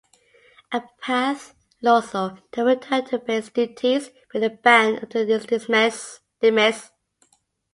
Apirath Loso then returned to bass duties with the band until its demise.